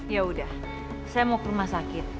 ya udah saya mau ke rumah sakit